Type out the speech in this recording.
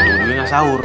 udah ujungnya sahur